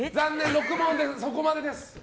６問でそこまでです。